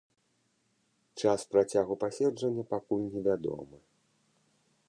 Час працягу паседжання пакуль невядомы.